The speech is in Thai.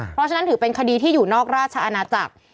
เพราะฉะนั้นถือเป็นคดีที่อยู่นอกราชอาณาจักร